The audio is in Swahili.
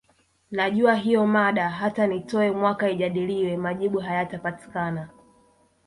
Najua hiyo mada hata nitowe mwaka ijadiliwe majibu hayatapatikana